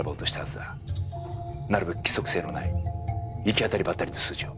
なるべく規則性のない行き当たりばったりの数字を。